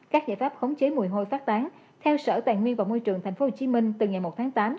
các giải pháp khống chế mùi hôi phát tán theo sở tài nguyên và môi trường tp hcm từ ngày một tháng tám